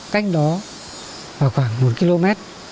cách đó khoảng một km